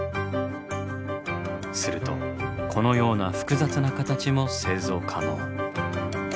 するとこのような複雑な形も製造可能。